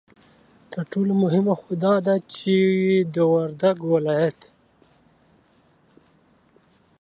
ترټولو مهمه خو دا ده چې د وردگ ولايت